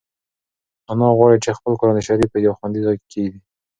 انا غواړي چې خپل قرانشریف په یو خوندي ځای کې کېږدي.